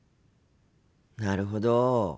なるほど。